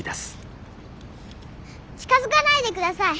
近づかないで下さい！